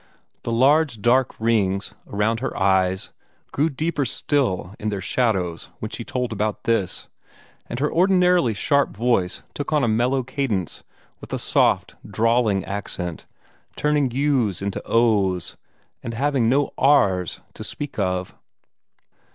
The large dark rings around her eyes grew deeper still in their shadows when she told about this, and her ordinarily sharp voice took on a mellow cadence, with a soft, drawling accent, turning U's into O's, and having no R's to speak of.